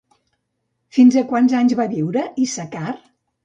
Fins a quants anys va viure Issacar?